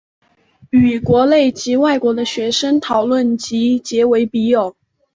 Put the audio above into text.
与国内及外国的学生讨论及结为笔友。